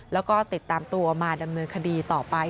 แล้วก็ติดตามตัวมาดำเนินคดีต่อไป